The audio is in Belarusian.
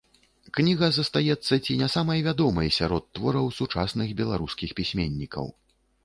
Кніга застаецца ці не самай вядомай сярод твораў сучасных беларускіх пісьменнікаў.